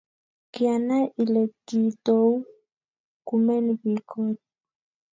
kianai ile kiitou kumen biik koot